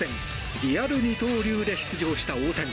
リアル二刀流で出場した大谷。